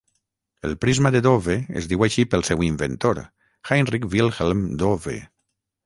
El prisma de Dove es diu així pel seu inventor, Heinrich Wilhelm Dove.